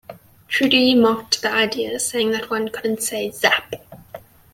Trudeau mocked the idea, saying that one couldn't say, Zap!